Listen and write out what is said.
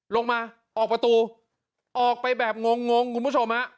ออกมาออกประตูออกไปแบบงงคุณผู้ชมฮะ